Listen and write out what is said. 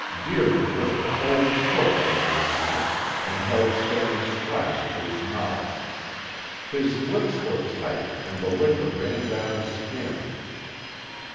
Deering pushed a folded coat under his neck and held Stannard's flask to his mouth. His lips were tight and the liquor ran down his skin.